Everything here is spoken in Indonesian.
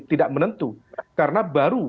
tidak menentu karena baru